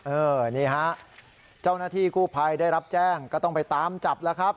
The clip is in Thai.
นี่ฮะเจ้าหน้าที่กู้ภัยได้รับแจ้งก็ต้องไปตามจับแล้วครับ